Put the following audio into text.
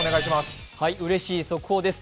うれしい速報です。